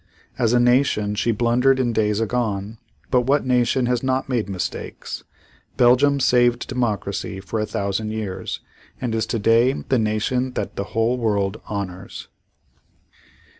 As a nation she blundered in days agone, but what nation has not made mistakes? Belgium saved democracy for a thousand years and is today the nation that the whole world honors.